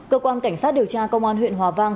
cơ quan cảnh sát điều tra công an huyện hòa vang